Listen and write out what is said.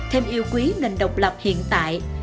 thêm yêu quý nền độc lập hiện tại